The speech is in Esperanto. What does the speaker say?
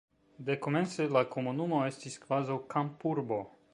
Dekomence la komunumo estis kvazaŭ kampurbo.